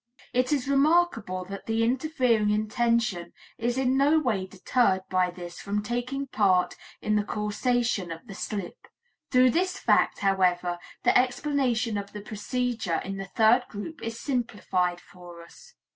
It is remarkable that the interfering intention is in no way deterred by this from taking part in the causation of the slip. Through this fact, however, the explanation of the procedure in the third group is simplified for us.